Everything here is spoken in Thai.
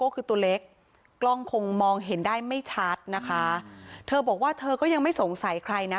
คือตัวเล็กกล้องคงมองเห็นได้ไม่ชัดนะคะเธอบอกว่าเธอก็ยังไม่สงสัยใครนะ